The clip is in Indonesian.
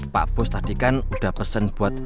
pak bus tadi kan udah pesen buat